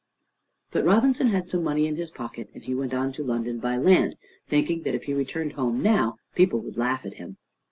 But Robinson had some money in his pocket, and he went on to London by land, thinking that if he returned home now, people would laugh at him.